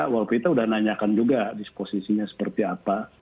walaupun kita sudah nanyakan juga disposisinya seperti apa